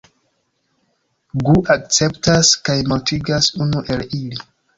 Gu akceptas kaj mortigas unu el ili.